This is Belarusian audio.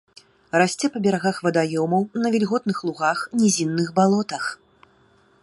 Расце па берагах вадаёмаў, на вільготных лугах, нізінных балотах.